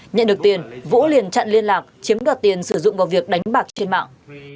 nhận được tiền vũ liền chặn liên lạc chiếm đoạt tiền sử dụng vào việc đánh bạc trên mạng